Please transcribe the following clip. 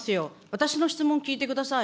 私の質問聞いてください。